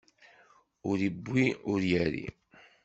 Ur iwwi, ur irri.